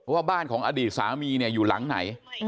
ว่าบ้านของอดีตสามีอยู่หลังไหน